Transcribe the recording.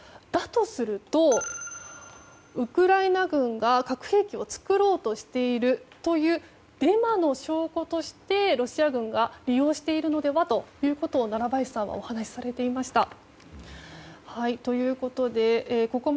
だとするとウクライナ軍が核兵器を作ろうとしているというデマの証拠としてロシア軍が利用しているのではと奈良林さんはお話しされていました。